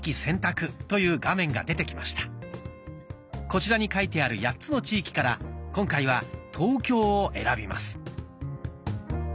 こちらに書いてある８つの地域から今回は「東京」を選びます。